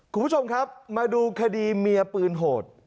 คุณผู้ชมครับมาดูคดีเมียปืนโหด